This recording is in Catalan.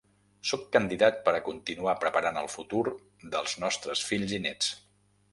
Sóc candidat per a continuar preparant el futur dels nostres fills i néts.